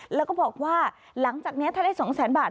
แล้วก็บอกว่าหลังจากนี้ถ้าได้๒แสนบาท